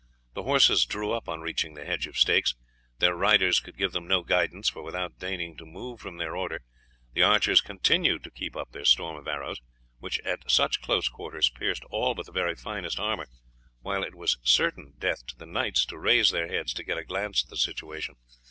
The horses drew up on reaching the hedge of stakes. Their riders could give them no guidance, for without deigning to move from their order the archers continued to keep up their storm of arrows, which at such close quarters pierced all but the very finest armour, while it was certain death to the knights to raise their heads to get a glance at the situation.